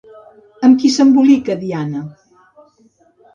Amb qui s'embolica Diane?